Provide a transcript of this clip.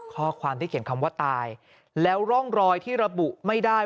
ข้อความที่เขียนคำว่าตายแล้วร่องรอยที่ระบุไม่ได้